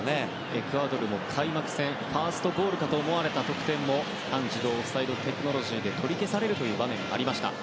エクアドルも開幕戦ファーストゴールかと思われた得点も半自動オフサイドラインテクノロジーで取り消されるという場面がありました。